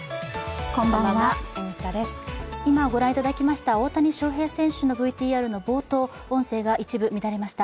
今ご覧いただきました大谷翔平選手のＶＴＲの冒頭、音声が一部、乱れました。